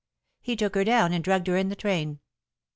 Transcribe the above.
He took her down and drugged her in the train.